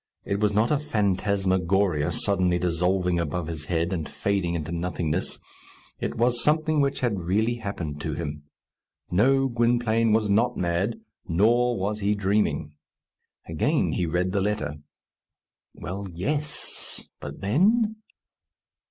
It was not a phantasmagoria, suddenly dissolving above his head, and fading into nothingness. It was something which had really happened to him. No, Gwynplaine was not mad, nor was he dreaming. Again he read the letter. Well, yes! But then?